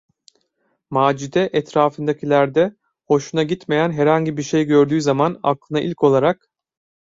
Macide etrafındakilerde hoşuna gitmeyen herhangi bir şey gördüğü zaman aklına ilk olarak: